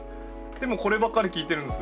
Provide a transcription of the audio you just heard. でもこればっかり聴いてるんです」